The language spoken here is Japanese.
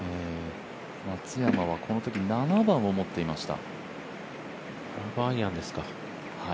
松山はこのとき７番を持っていました。